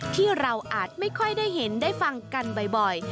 ที่เราอาจไม่ค่อยได้เห็นได้ฟังกันบ่อย